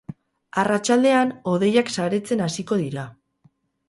Arratsaldean, hodeiak saretzen hasiko dira.